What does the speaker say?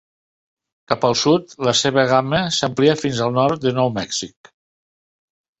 Cap al sud, la seva gama s'amplia fins al nord de Nou Mèxic.